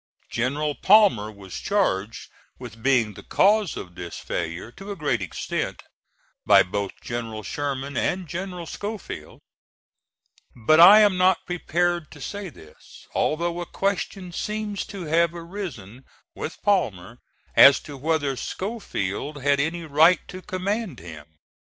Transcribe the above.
General Palmer was charged with being the cause of this failure, to a great extent, by both General Sherman and General Schofield; but I am not prepared to say this, although a question seems to have arisen with Palmer as to whether Schofield had any right to command him.